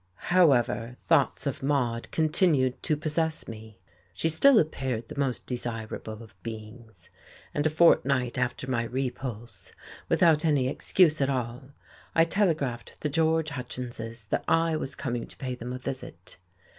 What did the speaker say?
XIV. However, thoughts of Maude continued to possess me. She still appeared the most desirable of beings, and a fortnight after my repulse, without any excuse at all, I telegraphed the George Hutchinses that I was coming to pay them a visit.